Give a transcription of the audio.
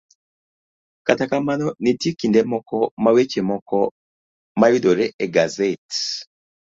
Kata kamano, nitie kinde moko ma weche moko mayudore e gaset